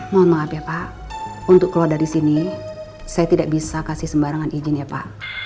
mohon maaf ya pak untuk keluar dari sini saya tidak bisa kasih sembarangan izin ya pak